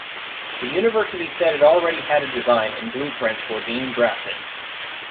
The university said it already had a design, and blueprints were being drafted.